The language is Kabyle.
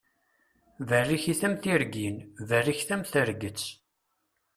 Berrikit am tirgin, berriket am terget.